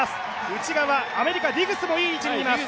内側、アメリカ・ディグスもいい位置にいます。